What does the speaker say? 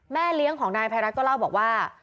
เลี้ยงของนายภัยรัฐก็เล่าบอกว่า